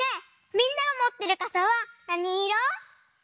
みんながもってるかさはなにいろ？